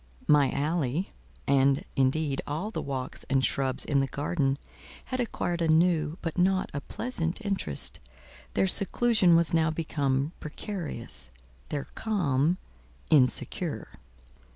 My alley, and, indeed, all the walks and shrubs in the garden, had acquired a new, but not a pleasant interest; their seclusion was now become precarious; their calm—insecure.